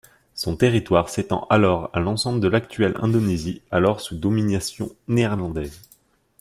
Son territoire s'étend alors à l'ensemble de l'actuelle Indonésie alors sous domination néerlandaise.